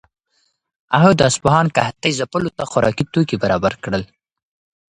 هغه د اصفهان قحطۍ ځپلو ته خوراکي توکي برابر کړل.